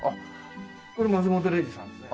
これ松本零士さんですね。